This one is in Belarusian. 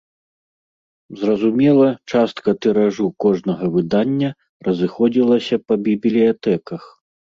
Зразумела, частка тыражу кожнага выдання разыходзілася па бібліятэках.